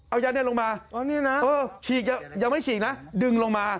เอายันลงมาฉีกยังไม่ฉีกนะดึงลงมา